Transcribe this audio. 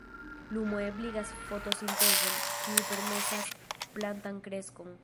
Lumo ebligas fotosintezon, kiu permesas plantan kreskon.